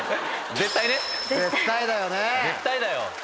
絶対だよ。